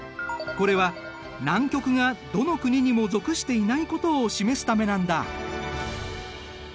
これは南極がどの国にも属していないことを示すためなんだ。